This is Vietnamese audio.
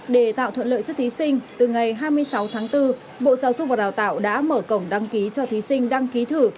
để tạo thuận lợi cho thí sinh từ ngày hai mươi sáu tháng bốn bộ giáo dục và đào tạo đã mở cổng đăng ký cho thí sinh đăng ký thử